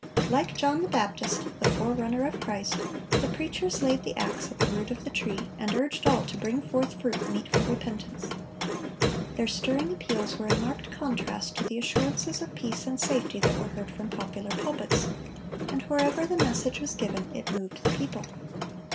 Like John the Baptist, the forerunner of Christ, the preachers laid the axe at the root of the tree, and urged all to bring forth fruit meet for repentance. Their stirring appeals were in marked contrast to the assurances of peace and safety that were heard from popular pulpits; and wherever the message was given, it moved the people.